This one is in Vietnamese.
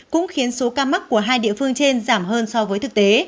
cũng khiến số ca mắc của hai địa phương trên giảm hơn so với thực tế